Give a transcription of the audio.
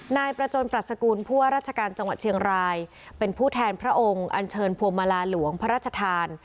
นายประจนปรัชกุลผู้ว่าราชการจังหวัดเชียงรายเป็นผู้แทนพระองค์อันเชิญพวงมาลาหลวงพระราชทาน